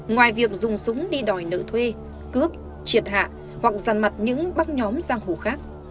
ngoài việc dùng súng đi đòi nợ thuê cướp triệt hạ hoặc giàn mặt những bác nhóm giang hủ khác